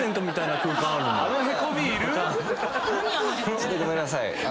ちょっとごめんなさい。